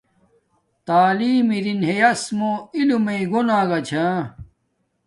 تعیلم ارین ہیاس موں علم میے گون آگا چھا